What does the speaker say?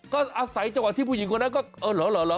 ก็อาศัยจังหวะที่ผู้หญิงคนนั้นก็เออเหรอ